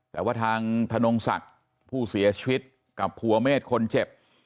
แต่ว่าทางธนงศักดิ์ผู้เสียชีวิตกับภูเมฆคนเจ็บ